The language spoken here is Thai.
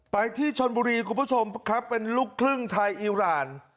ไปที่ชนบุรีคุณผู้ชมครับเป็นลูกครึ่งไทยอีราน